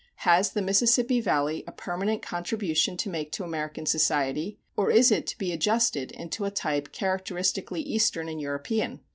Has the Mississippi Valley a permanent contribution to make to American society, or is it to be adjusted into a type characteristically Eastern and European?